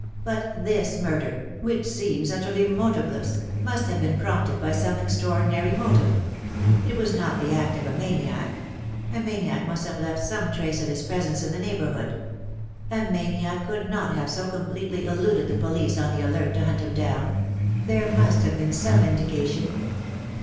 But this murder, which seems utterly motiveless, must have been prompted by some extraordinary motive. It was not the act of a maniac; a maniac must have left some trace of his presence in the neighbourhood. A maniac could not have so com pletely eluded the police on the alert to hunt him down. There must have been some indication."